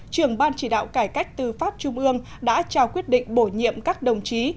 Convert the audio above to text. trưởng ban chỉ đạo cải cách tư pháp trung ương đã trao quyết định bổ nhiệm các đồng chí